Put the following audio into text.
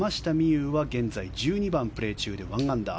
有は現在１２番をプレー中で１アンダー。